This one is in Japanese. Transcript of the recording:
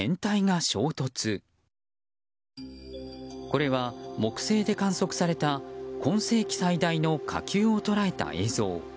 これは木星で観測された今世紀最大の火球を捉えた映像。